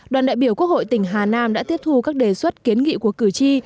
đoàn đại biểu quốc hội tỉnh hà nam đã tiếp thu các đề xuất kiến nghị của cử tri